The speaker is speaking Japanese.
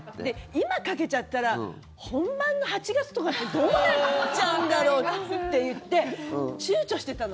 今かけちゃったら本番の８月とかってどうなっちゃうんだろうっていって躊躇してたの。